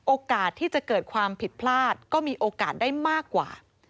โอกาสที่จะเกิดความผิดพลาดก็มีโอกาสได้มากกว่า